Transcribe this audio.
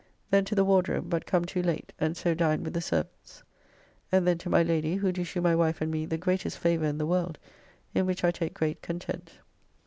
Then to the Wardrobe, but come too late, and so dined with the servants. And then to my Lady, who do shew my wife and me the greatest favour in the world, in which I take great content.